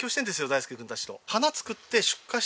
大介君たちと。